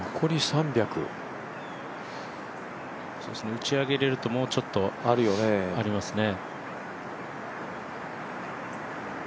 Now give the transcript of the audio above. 打ち上げれると、もうちょっとありますね。